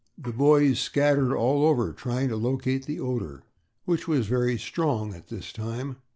The boys scattered all over trying to locate the odor, which was very strong at this time.